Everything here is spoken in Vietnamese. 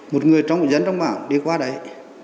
một người trong dân trong bảo đi qua đấy